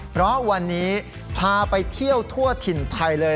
เพราะวันนี้พาไปเที่ยวทั่วถิ่นไทยเลย